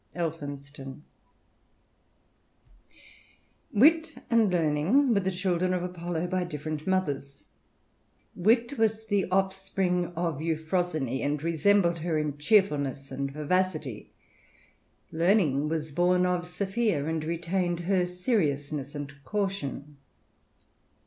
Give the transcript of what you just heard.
£lphimsix»i. "1 1 riT and Learning were the children of Apollo, by ^^ different mothers ; Wit was the offspring of Euphrg SYNEj and resembled her in cheerfulness and vivacity; Learning was borne of Sophia, and retained her seriousness and caution.